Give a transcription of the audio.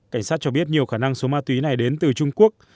cảnh sát cho biết nhiều khả năng số ma túy này đến từ trung quốc